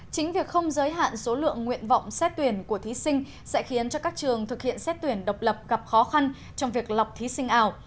chính việc không giới hạn số lượng nguyện vọng xét tuyển của thí sinh sẽ khiến cho các trường thực hiện xét tuyển độc lập gặp khó khăn trong việc lọc thí sinh ảo